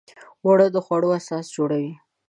اوړه د خوړو اساس جوړوي